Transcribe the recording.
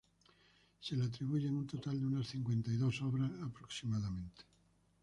Se le atribuyen un total de unas cincuenta y dos obras aproximadamente.